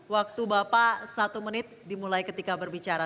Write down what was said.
waktu bapak satu menit dimulai ketika berbicara